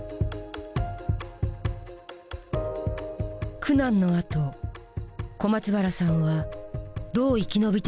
苦難のあと小松原さんはどう生き延びてきたのか。